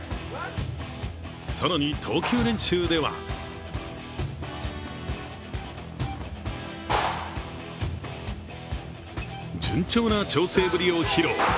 更に、投球練習では順調な調整ぶりを披露。